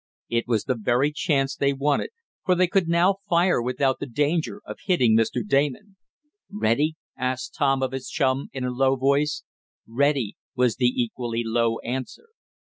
It was the very chance they wanted, for they could now fire without the danger of hitting Mr. Damon. "Ready?" asked Tom of his chum in a low voice. "Ready!" was the equally low answer.